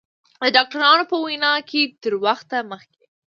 د ډاکترانو په وینا که تر وخته مخکې